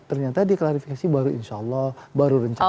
ternyata dia klarifikasi baru insya allah baru rencana